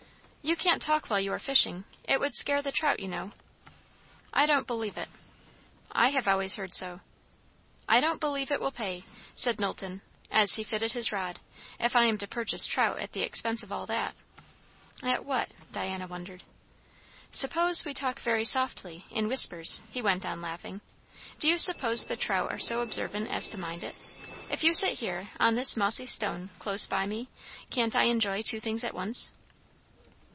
"You can't talk while you are fishing; it would scare the trout, you know." "I don't believe it." "I have always heard so." "I don't believe it will pay," said Knowlton as he fitted his rod "if I am to purchase trout at the expense of all that." All what? Diana wondered. "Suppose we talk very softly in whispers," he went on, laughing. "Do you suppose the trout are so observant as to mind it? If you sit here, on this mossy stone, close by me, can't I enjoy two things at once?"